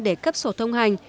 để cấp sổ thông hành